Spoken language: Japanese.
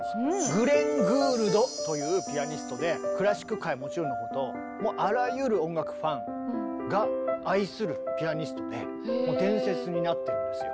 グレン・グールドというピアニストでクラシック界はもちろんのこともうあらゆる音楽ファンが愛するピアニストでもう伝説になってるんですよ。